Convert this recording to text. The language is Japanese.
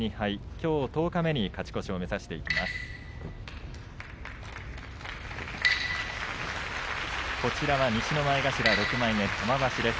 きょう十日目に勝ち越しを目指していきます。